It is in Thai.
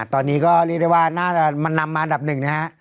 ตอนนี้ก็เรียกได้ว่าน่าจะมันนำมาอันดับหนึ่งนะฮะ